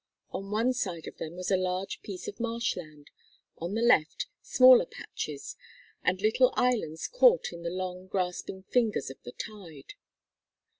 On one side of them was a large piece of marsh land, on the left, smaller patches, and little islands caught in the long grasping fingers of the tide.